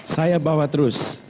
saya bawa terus